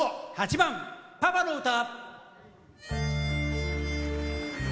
８番「パパの歌」。